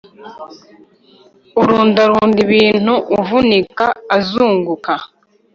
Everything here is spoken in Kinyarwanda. urundarunda ibintu avunika azunguka